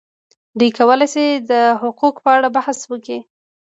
دوی کولای شي د حقوقو په اړه بحث وکړي.